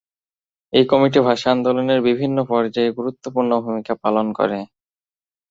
এই কমিটি ভাষা আন্দোলনের বিভিন্ন পর্যায়ে গুরুত্বপূর্ণ ভূমিকা পালন করে।